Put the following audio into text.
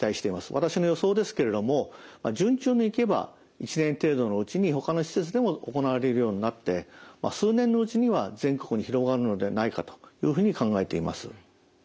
私の予想ですけれども順調にいけば１年程度のうちにほかの施設でも行われるようになって数年のうちには全国に広がるのではないかというふうに考えています。